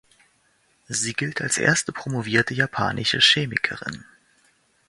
Sie gilt als erste promovierte japanische Chemikerin.